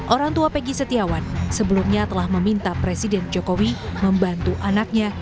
orang tua pegi setiawan sebelumnya telah meminta presiden jokowi membantu anaknya